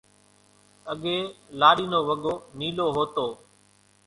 اڳيَ لاڏِي نو وڳو نيلو هوتو۔